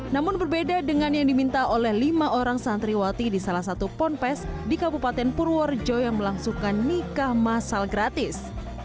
namun berbeda dengan yang diminta oleh lima orang santriwati di salah satu ponpes di kabupaten purworejo yang melangsungkan nikah masal gratis